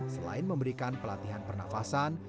selain memberikan pelatihan pernafasan